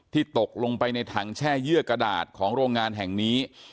ตกลงไปในถังแช่เยื่อกระดาษของโรงงานแห่งนี้